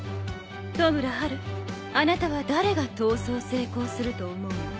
トムラハルあなたは誰が逃走成功すると思うの？